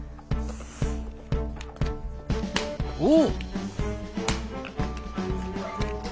お！